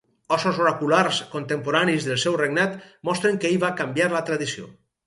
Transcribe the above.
Ossos oraculars contemporanis del seu regnat mostren que ell va canviar la tradició.